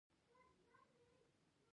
پکتیکا ولایت کې واورین پړانګان شتون لري.